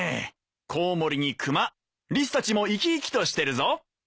コウモリに熊リスたちも生き生きとしてるぞ！